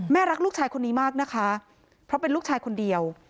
รักลูกชายคนนี้มากนะคะเพราะเป็นลูกชายคนเดียว